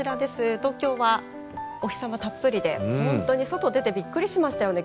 東京はお日様たっぷりで本当に外に出てびっくりしましたよね。